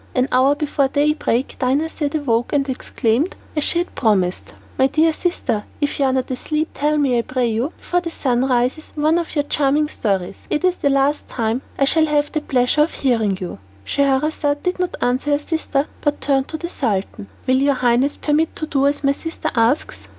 An hour before daybreak Dinarzade awoke, and exclaimed, as she had promised, "My dear sister, if you are not asleep, tell me I pray you, before the sun rises, one of your charming stories. It is the last time that I shall have the pleasure of hearing you." Scheherazade did not answer her sister, but turned to the Sultan. "Will your highness permit me to do as my sister asks?"